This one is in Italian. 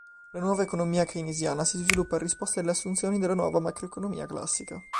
La Nuova economia keynesiana si sviluppa in risposta alle assunzioni della nuova macroeconomia classica.